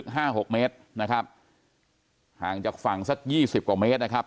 ห้าหกเมตรนะครับห่างจากฝั่งสักยี่สิบกว่าเมตรนะครับ